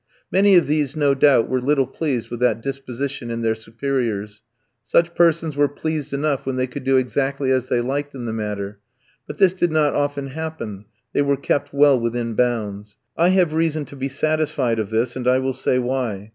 Many of these, no doubt, were little pleased with that disposition in their superiors; such persons were pleased enough when they could do exactly as they liked in the matter, but this did not often happen, they were kept well within bounds; I have reason to be satisfied of this and I will say why.